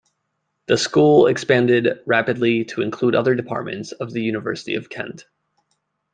The School expanded rapidly to include other Departments of the University of Kent.